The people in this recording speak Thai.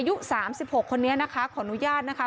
อายุ๓๖คนนี้นะคะขออนุญาตนะคะ